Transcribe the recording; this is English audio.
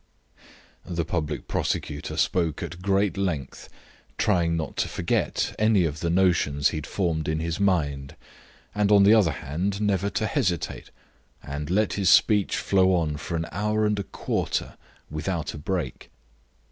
The public prosecutor spoke at great length, trying not to forget any of the notions he had formed in his mind, and, on the other hand, never to hesitate, and let his speech flow on for an hour and a quarter without a break.